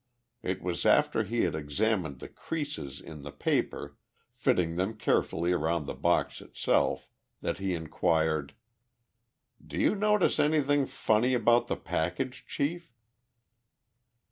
It was after he had examined the creases in the paper, fitting them carefully around the box itself, that he inquired: "Do you notice anything funny about the package, Chief?"